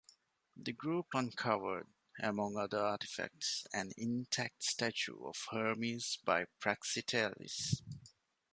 The group uncovered, among other artifacts, an intact statue of Hermes by Praxiteles.